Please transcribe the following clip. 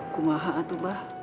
aku maha atuh bah